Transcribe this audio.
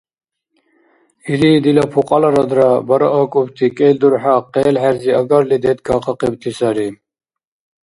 Ириъ дила пукьаларадра бара акӀубти кӀел дурхӀя къел-хӀерзи агарли деткахъибти сари.